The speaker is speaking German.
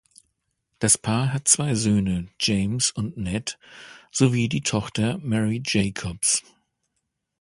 Das Paar hat zwei Söhne, James und Ned, sowie die Tochter Mary Jacobs.